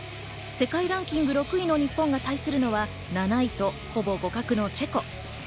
世界ランキング６位の日本が対するのは、７位とほぼ互角のチェコ。